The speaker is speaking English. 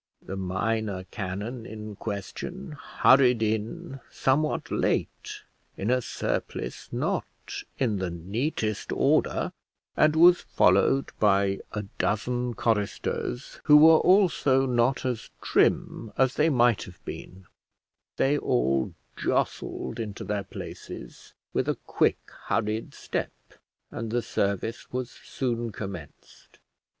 The minor canon in question hurried in, somewhat late, in a surplice not in the neatest order, and was followed by a dozen choristers, who were also not as trim as they might have been: they all jostled into their places with a quick hurried step, and the service was soon commenced.